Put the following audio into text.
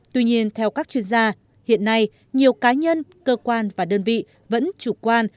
tuy nhiên theo các chuyên gia hiện nay nhiều cá nhân cơ quan và đơn vị vẫn chủ quan